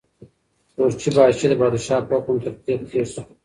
قورچي باشي د پادشاه په حکم تر تېغ تېر شو.